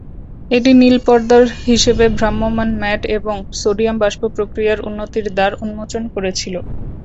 এটি নীল পর্দার হিসেবে ভ্রাম্যমাণ ম্যাট এবং সোডিয়াম বাষ্প প্রক্রিয়ার উন্নতির দ্বার উন্মোচন করেছিল।